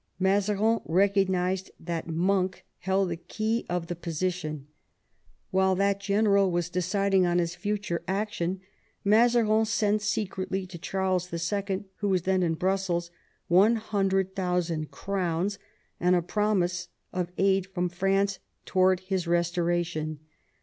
Mazarin recognised that Monk held the key of the position. While that general was deciding on his future action, Mazarin sent secretly to Charles IL, who was then in Brussels, 100,000 crowns, and a promise of aid from France towards his restoration.